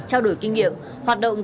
trao đổi kinh nghiệm hoạt động